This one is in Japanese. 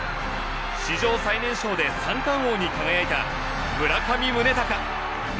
史上最年少で三冠王に輝いた村上宗隆。